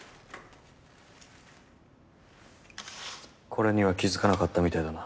これには気づかなかったみたいだな。